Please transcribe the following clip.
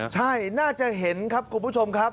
ใช่น่าจะเห็นครับคุณผู้ชมครับ